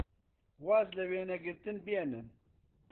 واز لە وێنەگرتن بێنن!